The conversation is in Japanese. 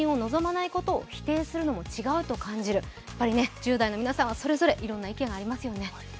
１０代の皆さんはそれぞれいろんな意見がありますよね。